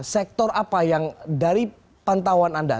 sektor apa yang dari pantauan anda